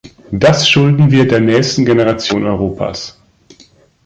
Das schulden wir der nächsten Generation Europas.